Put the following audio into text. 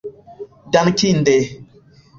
dankinde